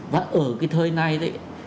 và ở cái thời này đấy